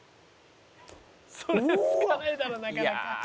「それ付かないだろなかなか。